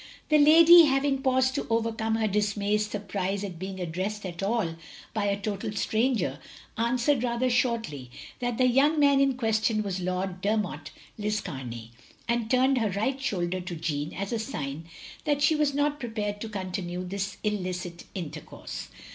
The lady — having paused to overcome her dismayed surprise at being addressed at all by a total stranger — ^answered rather shortly that the young man in question was Lord Dermot Liscar ney, and turned her right shoulder to Jeanne as a sign that she was not prepared to continue this illicit intercourse.